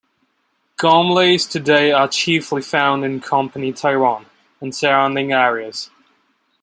Gormleys today are chiefly found in Company Tyrone and surrounding areas.